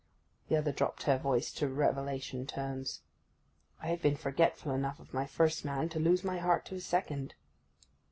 The other dropped her voice to revelation tones: 'I have been forgetful enough of my first man to lose my heart to a second!